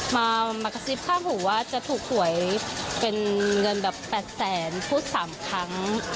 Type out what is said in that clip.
มากระซิบข้างหูว่าจะถูกหวยเป็นเงินแบบ๘แสนพูด๓ครั้ง